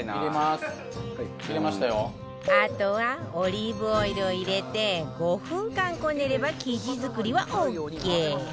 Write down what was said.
あとはオリーブオイルを入れて５分間こねれば生地作りはオーケー